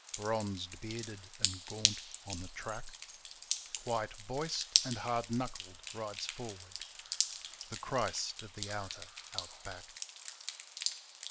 Bronzed, bearded and gaunt on the track, Quiet voiced and hard knuckled, rides forward The Christ of the Outer Out back.